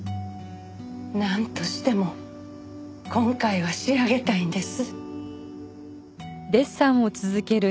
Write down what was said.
なんとしても今回は仕上げたいんです。